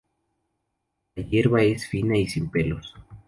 La hierba es fina y sin pelos.